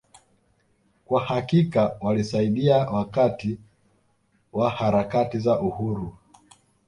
Kwa hakika walisaidia wakati wa harakati za Uhuru